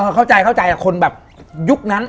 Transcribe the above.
เข้าใจคนแบบยุคนั้น